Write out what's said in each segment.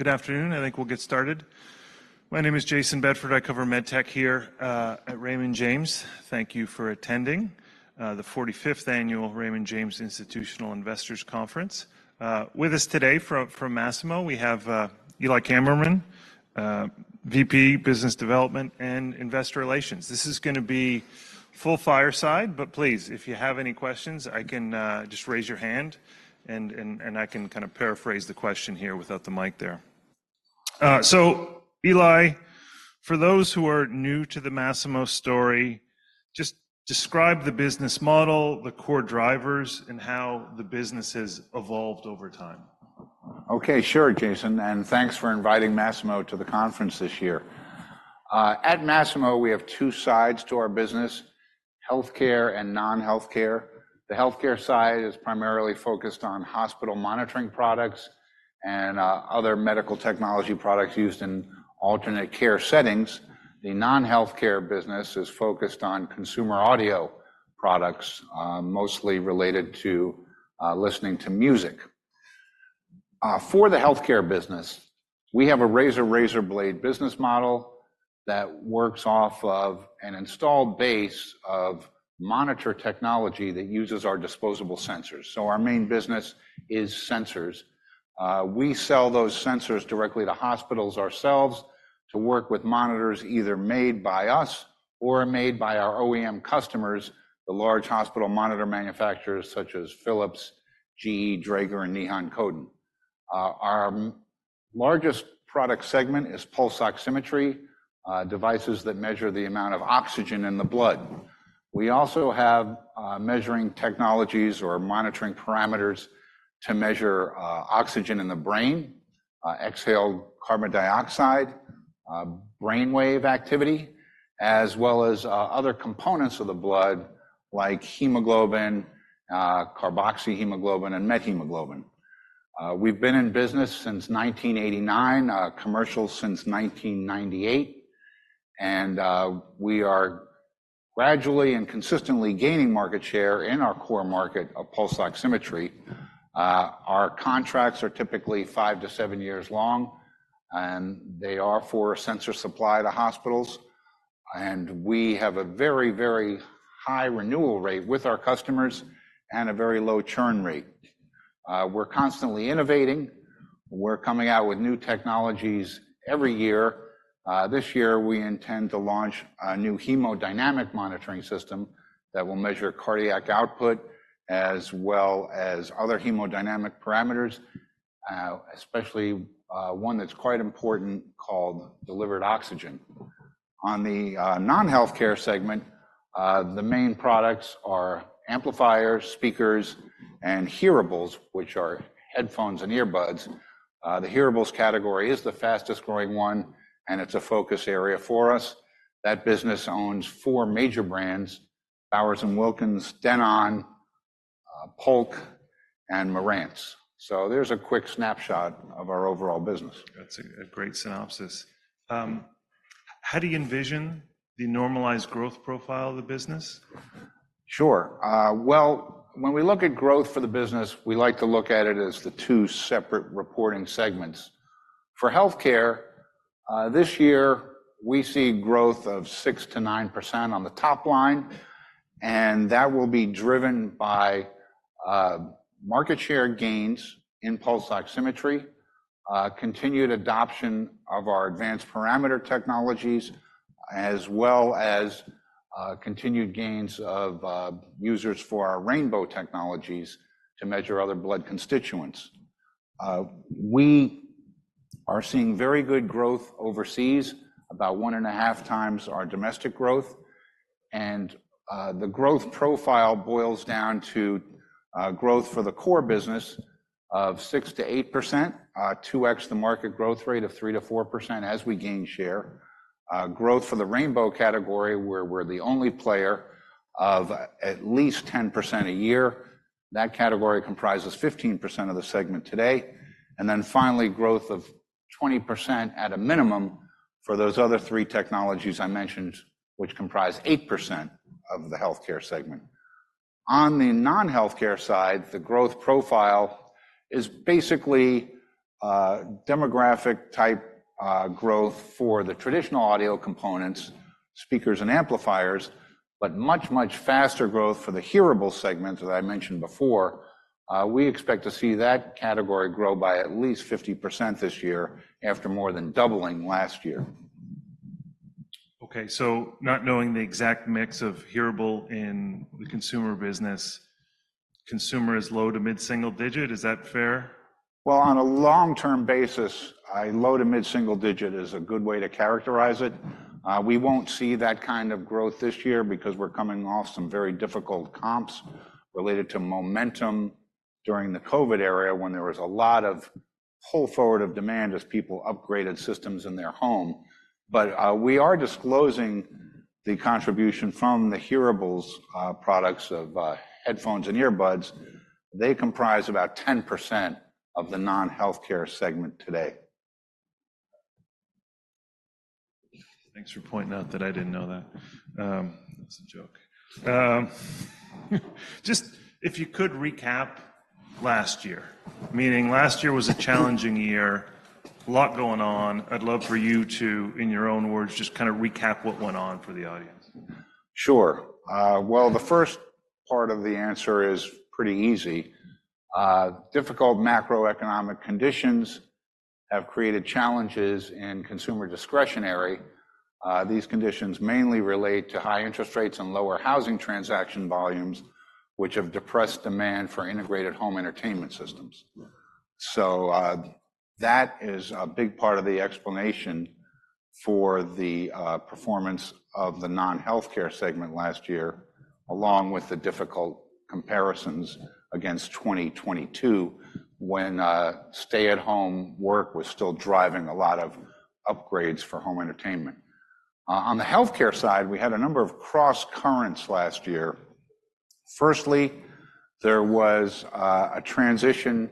Good afternoon. I think we'll get started. My name is Jayson Bedford. I cover MedTech here at Raymond James. Thank you for attending the forty-fifth annual Raymond James Institutional Investors Conference. With us today from Masimo, we have Eli Kammerman, VP Business Development and Investor Relations. This is gonna be full fireside, but please, if you have any questions, I can just raise your hand, and I can kind of paraphrase the question here without the mic there. So Eli, for those who are new to the Masimo story, just describe the business model, the core drivers, and how the business has evolved over time. Okay, sure, Jayson, and thanks for inviting Masimo to the conference this year. At Masimo, we have two sides to our business: healthcare and non-healthcare. The healthcare side is primarily focused on hospital monitoring products and other medical technology products used in alternate care settings. The non-healthcare business is focused on consumer audio products, mostly related to listening to music. For the healthcare business, we have a razor blade business model that works off of an installed base of monitor technology that uses our disposable sensors. So our main business is sensors. We sell those sensors directly to hospitals ourselves to work with monitors either made by us or made by our OEM customers, the large hospital monitor manufacturers such as Philips, GE, Dräger, and Nihon Kohden. Our largest product segment is pulse oximetry, devices that measure the amount of oxygen in the blood. We also have measuring technologies or monitoring parameters to measure oxygen in the brain, exhaled carbon dioxide, brainwave activity, as well as other components of the blood, like hemoglobin, carboxyhemoglobin, and methemoglobin. We've been in business since 1989, commercial since 1998, and we are gradually and consistently gaining market share in our core market of pulse oximetry. Our contracts are typically five-year years long, and they are for sensor supply to hospitals, and we have a very, very high renewal rate with our customers and a very low churn rate. We're constantly innovating. We're coming out with new technologies every year. This year we intend to launch a new hemodynamic monitoring system that will measure cardiac output as well as other hemodynamic parameters, especially one that's quite important, called delivered oxygen. On the non-healthcare segment, the main products are amplifiers, speakers, and hearables, which are headphones and earbuds. The hearables category is the fastest-growing one, and it's a focus area for us. That business owns four major brands: Bowers & Wilkins, Denon, Polk, and Marantz. So there's a quick snapshot of our overall business. That's a great synopsis. How do you envision the normalized growth profile of the business? Sure. Well, when we look at growth for the business, we like to look at it as the two separate reporting segments. For healthcare, this year, we see growth of 6%-9% on the top-line, and that will be driven by market share gains in pulse oximetry, continued adoption of our advanced parameter technologies, as well as continued gains of users for our Rainbow technologies to measure other blood constituents. We are seeing very good growth overseas, about 1.5x our domestic growth, and the growth profile boils down to growth for the core business of 6%-8%, 2x the market growth rate of 3%-4% as we gain share. Growth for the Rainbow category, where we're the only player of at least 10% a year. That category comprises 15% of the segment today. Then finally, growth of 20% at a minimum for those other 3 technologies I mentioned, which comprise 8% of the healthcare segment. On the non-healthcare side, the growth profile is basically demographic-type growth for the traditional audio components, speakers, and amplifiers, but much, much faster growth for the hearable segment that I mentioned before. We expect to see that category grow by at least 50% this year, after more than doubling last year. Okay, so not knowing the exact mix of hearables in the consumer business, consumer is low to mid-single digit, is that fair? Well, on a long-term basis, a low to mid-single digit is a good way to characterize it. We won't see that kind of growth this year because we're coming off some very difficult comps related to momentum during the COVID era, when there was a lot of pull forward of demand as people upgraded systems in their home. But, we are disclosing the contribution from the hearables, products of headphones and earbuds. They comprise about 10% of the non-healthcare segment today. Thanks for pointing out that I didn't know that. That's a joke. Just if you could recap last year, meaning last year was a challenging year, a lot going on. I'd love for you to, in your own words, just kinda recap what went on for the audience. Sure. Well, the first part of the answer is pretty easy. Difficult macroeconomic conditions have created challenges in consumer discretionary. These conditions mainly relate to high interest rates and lower housing transaction volumes, which have depressed demand for integrated home entertainment systems. So, that is a big part of the explanation for the performance of the non-healthcare segment last year, along with the difficult comparisons against 2022, when stay-at-home work was still driving a lot of upgrades for home entertainment. On the healthcare side, we had a number of cross currents last year. Firstly, there was a transition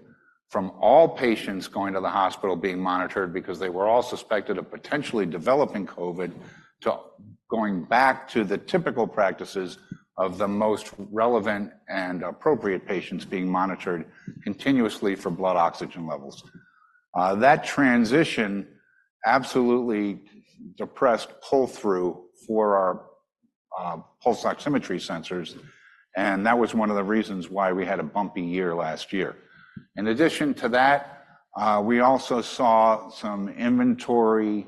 from all patients going to the hospital being monitored because they were all suspected of potentially developing COVID, to going back to the typical practices of the most relevant and appropriate patients being monitored continuously for blood oxygen levels. That transition absolutely depressed pull-through for our pulse oximetry sensors, and that was one of the reasons why we had a bumpy year last year. In addition to that, we also saw some inventory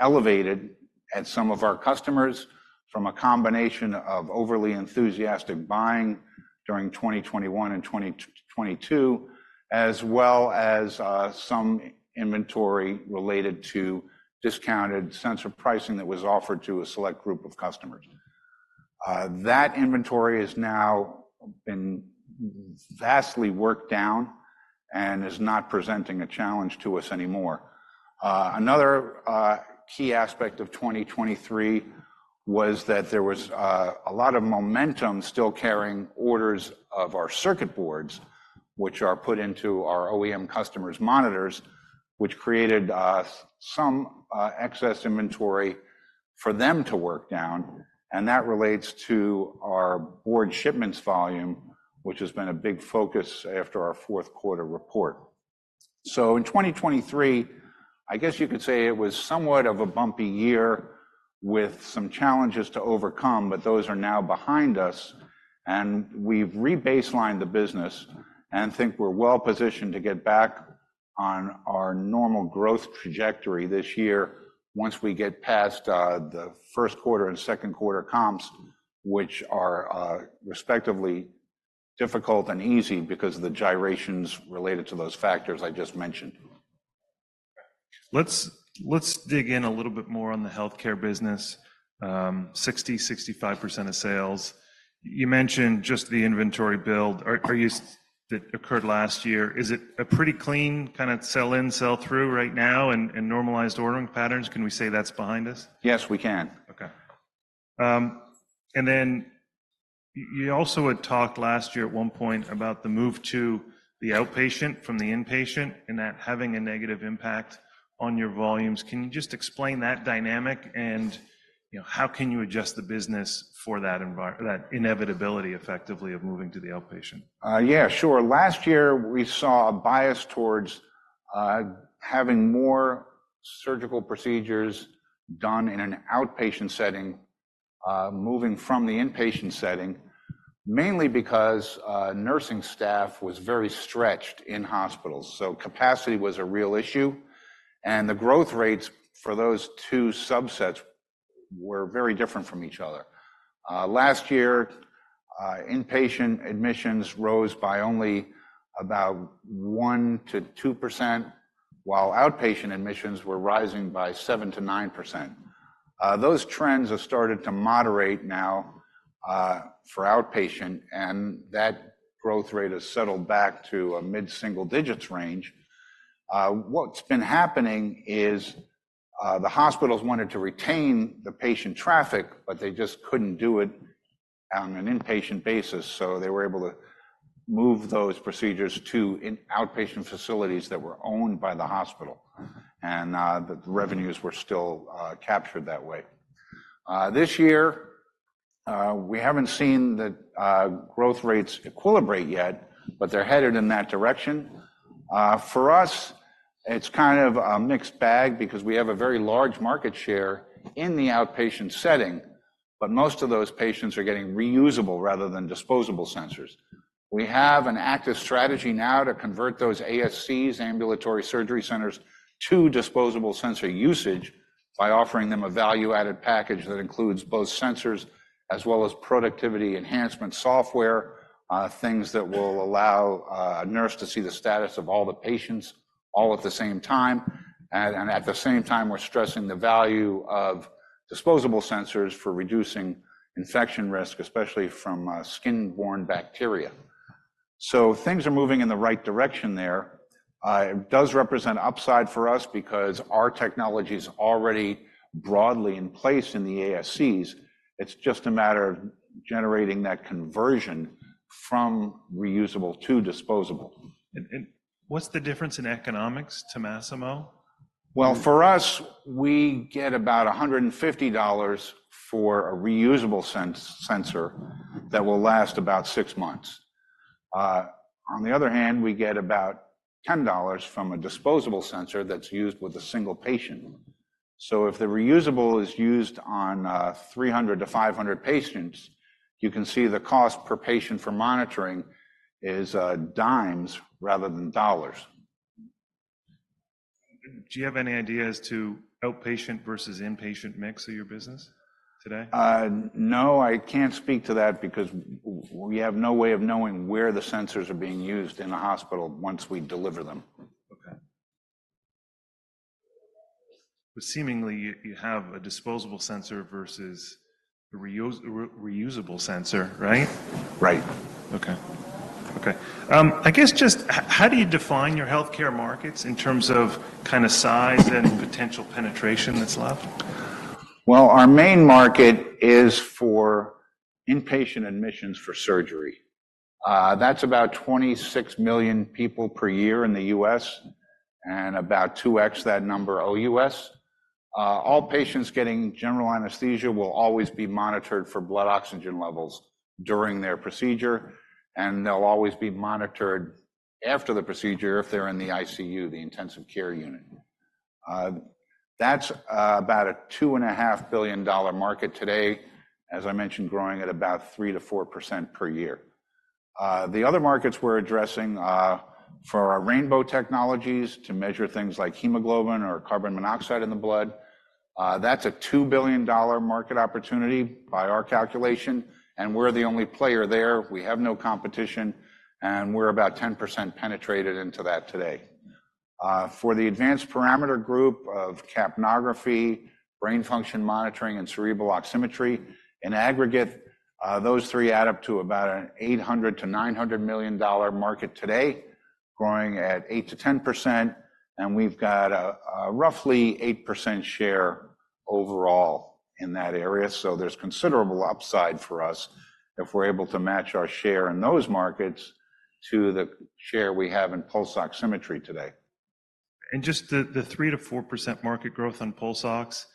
elevated at some of our customers from a combination of overly enthusiastic buying during 2021 and 2022, as well as some inventory related to discounted sensor pricing that was offered to a select group of customers. That inventory has now been vastly worked down and is not presenting a challenge to us anymore. Another key aspect of 2023 was that there was a lot of momentum still carrying orders of our circuit boards, which are put into our OEM customers' monitors, which created some excess inventory for them to work down, and that relates to our board shipments volume, which has been a big focus after our fourth quarter report. So in 2023, I guess you could say it was somewhat of a bumpy year with some challenges to overcome, but those are now behind us, and we've re-baselined the business and think we're well positioned to get back on our normal growth trajectory this year once we get past the first quarter and second quarter comps, which are respectively difficult and easy because of the gyrations related to those factors I just mentioned. Let's dig in a little bit more on the healthcare business. 65% of sales. You mentioned just the inventory build. Are you-- that occurred last year. Is it a pretty clean kinda sell-in, sell-through right now and normalized ordering patterns? Can we say that's behind us? Yes, we can. Okay. And then you also had talked last year at one point about the move to the outpatient from the inpatient and that having a negative impact on your volumes. Can you just explain that dynamic and, you know, how can you adjust the business for that inevitability, effectively, of moving to the outpatient? Yeah, sure. Last year, we saw a bias towards having more surgical procedures done in an outpatient setting, moving from the inpatient setting, mainly because nursing staff was very stretched in hospitals, so capacity was a real issue, and the growth rates for those two subsets were very different from each other. Last year, inpatient admissions rose by only about 1%-2%, while outpatient admissions were rising by 7%-9%. Those trends have started to moderate now, for outpatient, and that growth rate has settled back to a mid-single digits range. What's been happening is, the hospitals wanted to retain the patient traffic, but they just couldn't do it on an inpatient basis, so they were able to move those procedures to outpatient facilities that were owned by the hospital- The revenues were still captured that way. This year, we haven't seen the growth rates equilibrate yet, but they're headed in that direction. For us, it's kind of a mixed bag because we have a very large market share in the outpatient setting, but most of those patients are getting reusable rather than disposable sensors. We have an active strategy now to convert those ASCs, ambulatory surgery centers, to disposable sensor usage by offering them a value-added package that includes both sensors as well as productivity enhancement software, things that will allow a nurse to see the status of all the patients all at the same time. And at the same time, we're stressing the value of disposable sensors for reducing infection risk, especially from skin-borne bacteria. So things are moving in the right direction there. It does represent upside for us because our technology is already broadly in place in the ASCs. It's just a matter of generating that conversion from reusable to disposable. What's the difference in economics to Masimo? Well, for us, we get about $150 for a reusable sensor that will last about six months. On the other hand, we get about $10 from a disposable sensor that's used with a single patient. So if the reusable is used on 300-500 patients, you can see the cost per patient for monitoring is dimes rather than dollars. Do you have any idea as to outpatient versus inpatient mix of your business today? No, I can't speak to that because we have no way of knowing where the sensors are being used in the hospital once we deliver them. Okay. Seemingly, you have a disposable sensor versus a reusable sensor. Right? Right. I guess just how do you define your healthcare markets in terms of kind of size and potential penetration that's left? Well, our main market is for inpatient admissions for surgery. That's about 26 million people per year in the U.S., and about 2x that number OUS. All patients getting general anesthesia will always be monitored for blood oxygen levels during their procedure, and they'll always be monitored after the procedure if they're in the ICU, the intensive care unit. That's about a $2.5 billion market today, as I mentioned, growing at about 3%-4% per year. The other markets we're addressing for our Rainbow technologies to measure things like hemoglobin or carbon monoxide in the blood, that's a $2 billion market opportunity by our calculation, and we're the only player there. We have no competition, and we're about 10% penetrated into that today. For the advanced parameter group of capnography, brain function monitoring, and cerebral oximetry, in aggregate, those three add up to about an $800-$900 million market today, growing at 8%-10%, and we've got a roughly 8% share overall in that area. So there's considerable upside for us if we're able to match our share in those markets to the share we have in pulse oximetry today. Just the 3%-4% market growth on pulse ox,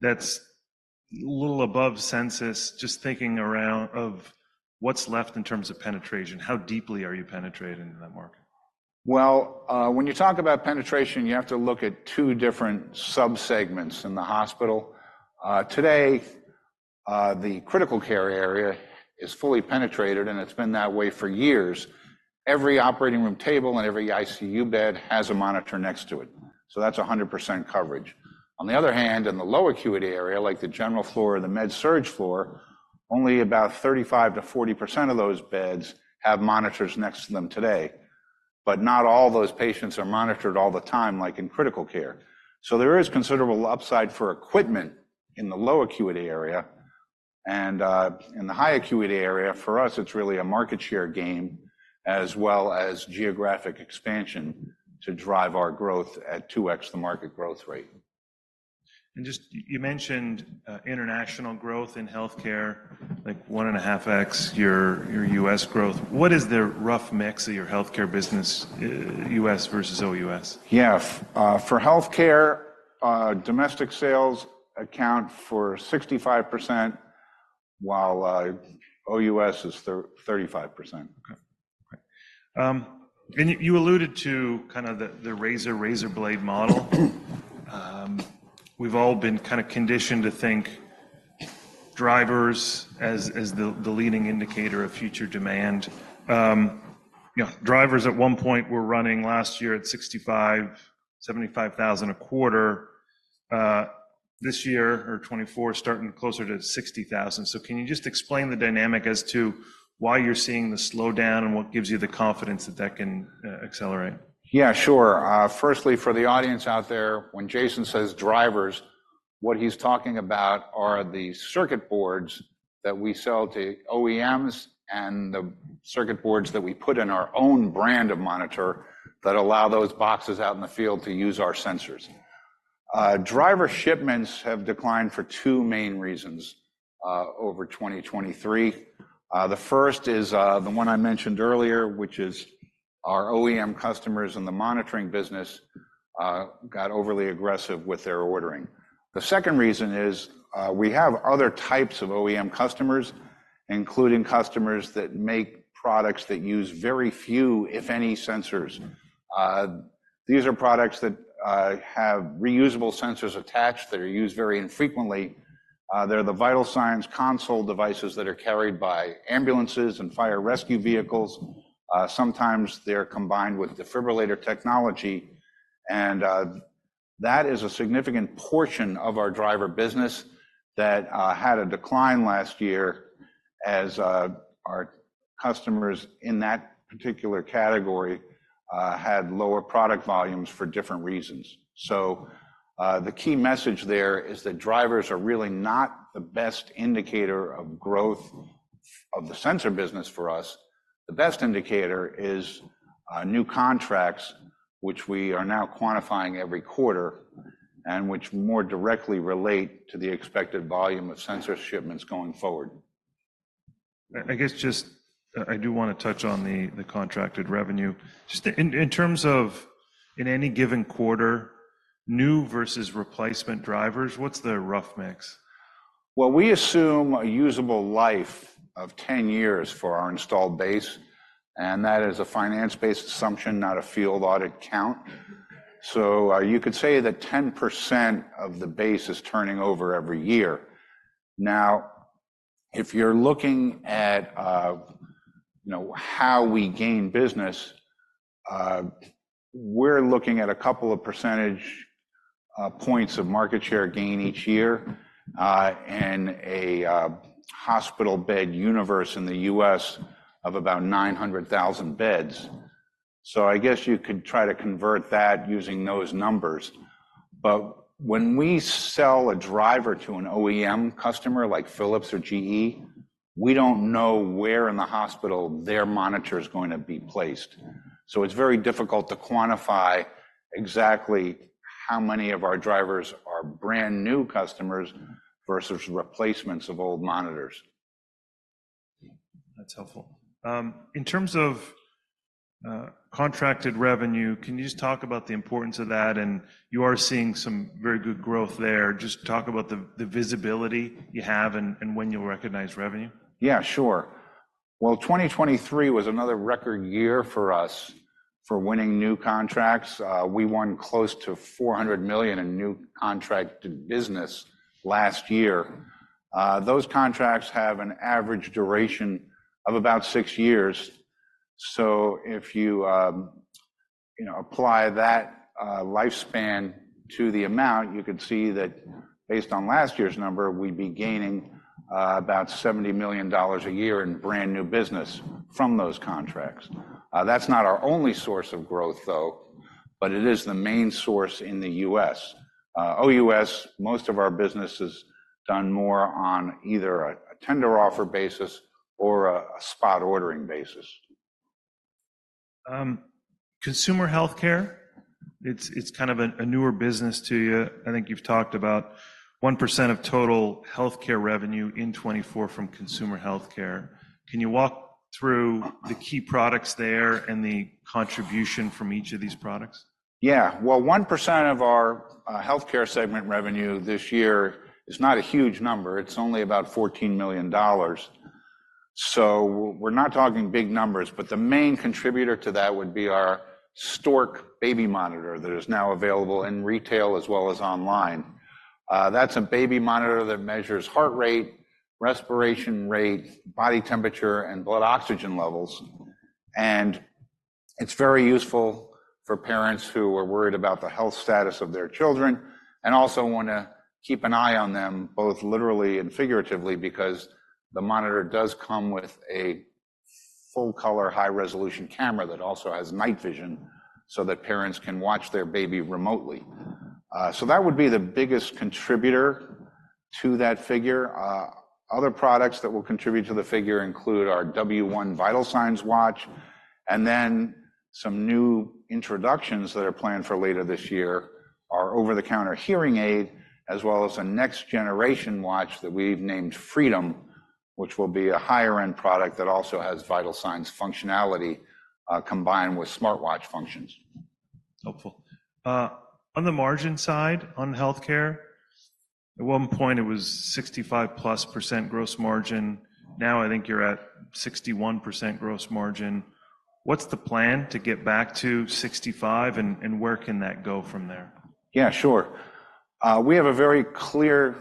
that's a little above consensus. Just thinking around of what's left in terms of penetration, how deeply are you penetrating into that market? Well, when you talk about penetration, you have to look at two different subsegments in the hospital. Today, the critical care area is fully penetrated, and it's been that way for years. Every operating room table and every ICU bed has a monitor next to it, so that's 100% coverage. On the other hand, in the low acuity area, like the general floor or the med-surg floor, only about 35%-40% of those beds have monitors next to them today, but not all those patients are monitored all the time, like in critical care. So there is considerable upside for equipment in the low acuity area, and, in the high acuity area, for us, it's really a market share game as well as geographic expansion to drive our growth at 2x the market growth rate. Just, you mentioned international growth in healthcare, like 1.5x your U.S. growth. What is the rough mix of your healthcare business, U.S. versus OUS? Yeah. For healthcare, domestic sales account for 65%, while OUS is 35%. Okay. And you alluded to kind of the razor-razor blade model. We've all been kind of conditioned to think drivers as the leading indicator of future demand. You know, drivers at one point were running last year at 65,000-75,000 a quarter. This year, or 2024, starting closer to 60,000. So can you just explain the dynamic as to why you're seeing the slowdown and what gives you the confidence that that can accelerate? Yeah, sure. Firstly, for the audience out there, when Jayson says drivers, what he's talking about are the circuit boards that we sell to OEMs and the circuit boards that we put in our own brand of monitor that allow those boxes out in the field to use our sensors. Driver shipments have declined for two main reasons over 2023. The first is the one I mentioned earlier, which is our OEM customers in the monitoring business got overly aggressive with their ordering. The second reason is we have other types of OEM customers, including customers that make products that use very few, if any, sensors. These are products that have reusable sensors attached that are used very infrequently. They're the vital signs console devices that are carried by ambulances and fire rescue vehicles. Sometimes they're combined with defibrillator technology, and that is a significant portion of our driver business that had a decline last year as our customers in that particular category had lower product volumes for different reasons. So, the key message there is that drivers are really not the best indicator of growth of the sensor business for us. The best indicator is new contracts, which we are now quantifying every quarter, and which more directly relate to the expected volume of sensor shipments going forward. I guess just, I do want to touch on the contracted revenue. Just in terms of, in any given quarter, new versus replacement drivers, what's the rough mix? Well, we assume a usable life of 10 years for our installed base, and that is a finance-based assumption, not a field audit count. So, you could say that 10% of the base is turning over every year. Now, if you're looking at, you know, how we gain business, we're looking at a couple of percentage points of market share gain each year, and a hospital bed universe in the U.S. of about 900,000 beds. So I guess you could try to convert that using those numbers. But when we sell a driver to an OEM customer like Philips or GE, we don't know where in the hospital their monitor is going to be placed. So it's very difficult to quantify exactly how many of our drivers are brand-new customers versus replacements of old monitors. That's helpful. In terms of contracted revenue, can you just talk about the importance of that? You are seeing some very good growth there. Just talk about the visibility you have and when you'll recognize revenue. Yeah, sure. Well, 2023 was another record year for us for winning new contracts. We won close to $400 million in new contracted business last year. Those contracts have an average duration of about six years. So if you, you know, apply that lifespan to the amount, you could see that based on last year's number, we'd be gaining about $70 million a year in brand-new business from those contracts. That's not our only source of growth, though, but it is the main source in the U.S. OUS, most of our business is done more on either a tender offer basis or a spot ordering basis. Consumer healthcare, it's kind of a newer business to you. I think you've talked about 1% of total healthcare revenue in 2024 from consumer healthcare. Can you walk through the key products there and the contribution from each of these products? Yeah. Well, 1% of our healthcare segment revenue this year is not a huge number. It's only about $14 million. So we're not talking big numbers, but the main contributor to that would be our Stork baby monitor that is now available in retail as well as online. That's a baby monitor that measures heart rate, respiration rate, body temperature, and blood oxygen levels, and it's very useful for parents who are worried about the health status of their children and also want to keep an eye on them, both literally and figuratively, because the monitor does come with a full-color, high-resolution camera that also has night vision so that parents can watch their baby remotely. So that would be the biggest contributor to that figure. Other products that will contribute to the figure include our W1 vital signs watch, and then some new introductions that are planned for later this year, our over-the-counter hearing aid, as well as a next-generation watch that we've named Freedom, which will be a higher-end product that also has vital signs functionality, combined with smartwatch functions. Helpful. On the margin side, on healthcare, at one point, it was 65%+ gross margin. Now, I think you're at 61% gross margin. What's the plan to get back to 65%, and where can that go from there? Yeah, sure. We have a very clear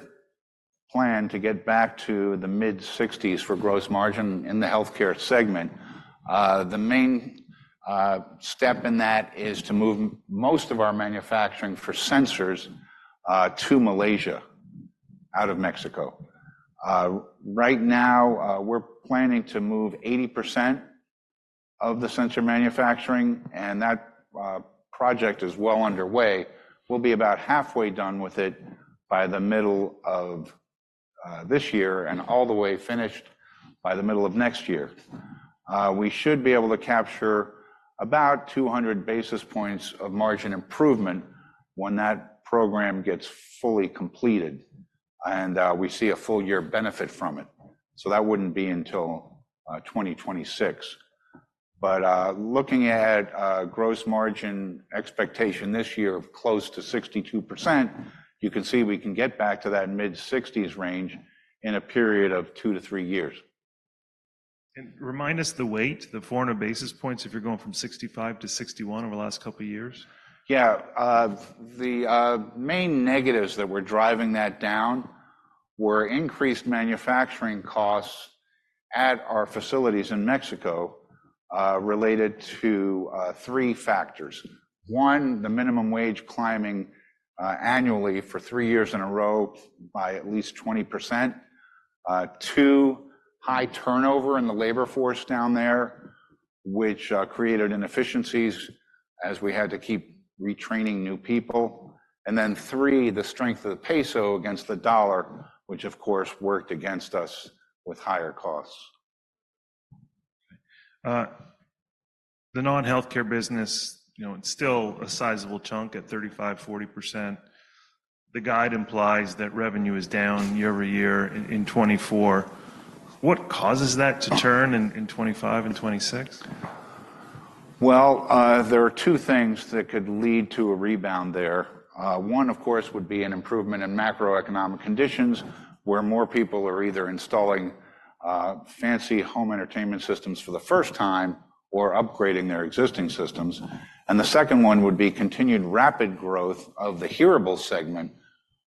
plan to get back to the mid-60s% for gross margin in the healthcare segment. The main step in that is to move most of our manufacturing for sensors to Malaysia, out of Mexico. Right now, we're planning to move 80% of the sensor manufacturing, and that project is well underway. We'll be about halfway done with it by the middle of this year and all the way finished by the middle of next year. We should be able to capture about 200 basis points of margin improvement when that program gets fully completed, and we see a full year benefit from it. So that wouldn't be until 2026. But, looking at gross margin expectation this year of close to 62%, you can see we can get back to that mid-60s range in a period of two-three years. Remind us the weight, the 400 basis points, if you're going from 65 to 61 over the last couple of years. Yeah. The main negatives that were driving that down were increased manufacturing costs at our facilities in Mexico, related to three factors. One, the minimum wage climbing annually for three years in a row by at least 20%. Two, high turnover in the labor force down there, which created inefficiencies as we had to keep retraining new people. And then three, the strength of the peso against the U.S. dollar, which, of course, worked against us with higher costs. The non-healthcare business, you know, it's still a sizable chunk at 35%-40%. The guide implies that revenue is down year-over-year in 2024. What causes that to turn in 2025 and 2026? Well, there are two things that could lead to a rebound there. One, of course, would be an improvement in macroeconomic conditions, where more people are either installing fancy home entertainment systems for the first time or upgrading their existing systems. And the second one would be continued rapid growth of the hearables segment,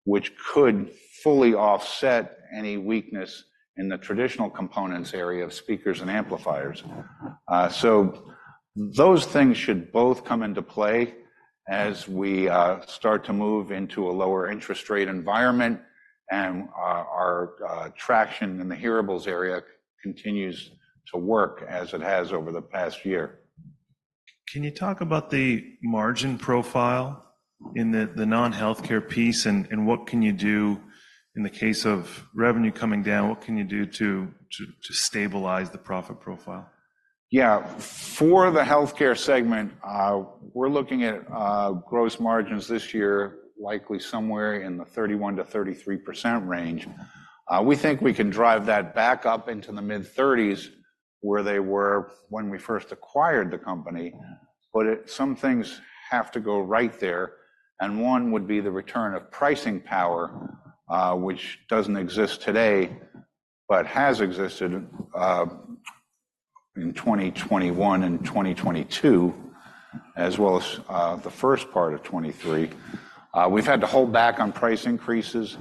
which could fully offset any weakness in the traditional components area of speakers and amplifiers. So those things should both come into play as we start to move into a lower interest rate environment, and our traction in the hearables area continues to work as it has over the past year. Can you talk about the margin profile in the non-healthcare piece, and what can you do in the case of revenue coming down? What can you do to stabilize the profit profile? Yeah. For the healthcare segment, we're looking at gross margins this year, likely somewhere in the 31%-33% range. We think we can drive that back up into the mid-30s, where they were when we first acquired the company. Yeah. But some things have to go right there, and one would be the return of pricing power, which doesn't exist today, but has existed in 2021 and 2022, as well as the first part of 2023. We've had to hold back on price increases,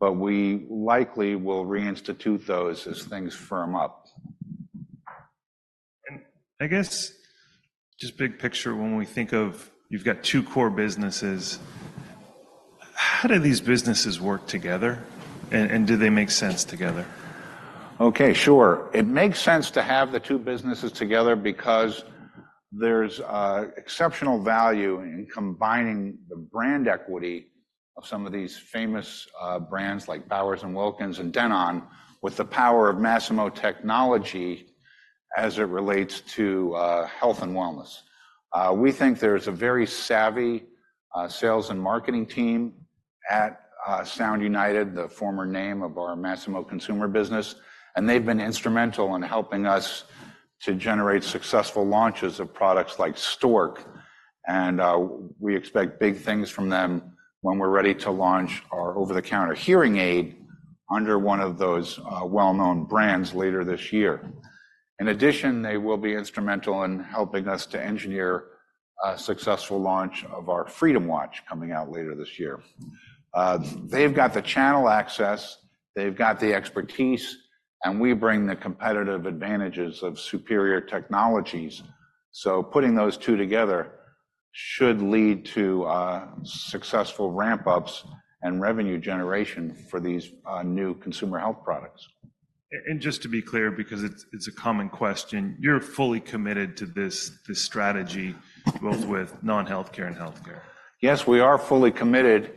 but we likely will reinstitute those as things firm up. I guess, just big picture, when we think of you've got two core businesses, how do these businesses work together? And do they make sense together? Okay, sure. It makes sense to have the two businesses together because there's exceptional value in combining the brand equity of some of these famous brands, like Bowers & Wilkins and Denon, with the power of Masimo technology as it relates to health and wellness. We think there's a very savvy sales and marketing team at Sound United, the former name of our Masimo consumer business, and they've been instrumental in helping us to generate successful launches of products like Stork. And we expect big things from them when we're ready to launch our over-the-counter hearing aid under one of those well-known brands later this year. In addition, they will be instrumental in helping us to engineer a successful launch of our Freedom watch coming out later this year. They've got the channel access, they've got the expertise, and we bring the competitive advantages of superior technologies. So putting those two together should lead to successful ramp-ups and revenue generation for these new consumer health products. Just to be clear, because it's a common question, you're fully committed to this strategy, both with non-healthcare and healthcare? Yes, we are fully committed,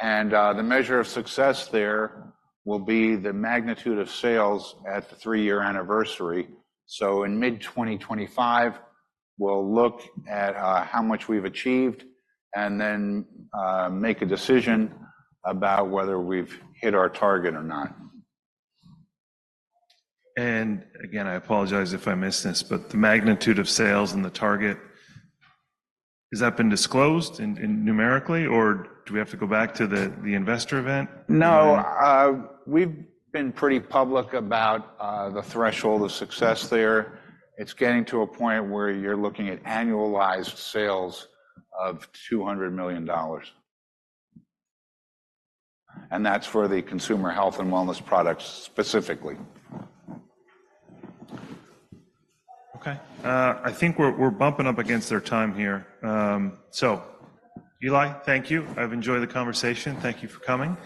and the measure of success there will be the magnitude of sales at the three-year anniversary. So in mid-2025, we'll look at how much we've achieved and then make a decision about whether we've hit our target or not. Again, I apologize if I missed this, but the magnitude of sales and the target, has that been disclosed in numerically, or do we have to go back to the investor event? No. We've been pretty public about the threshold of success there. It's getting to a point where you're looking at annualized sales of $200 million. And that's for the consumer health and wellness products specifically. Okay. I think we're bumping up against our time here. So Eli, thank you. I've enjoyed the conversation. Thank you for coming.